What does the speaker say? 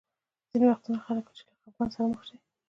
ځینې وختونه خلک چې له خفګان سره مخ شي.